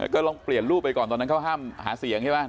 ก็ลองเปลี่ยนรูปไปก่อนตอนนั้นเขาห้ามหาเสียงใช่ไหม